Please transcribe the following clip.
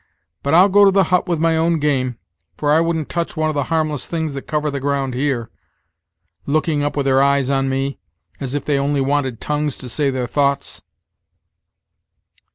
But I'll go to the hut with my own game, for I wouldn't touch one of the harmless things that cover the ground here, looking up with their eyes on me, as if they only wanted tongues to say their thoughts."